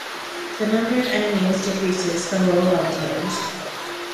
The number of enemies decreases for lower level settings.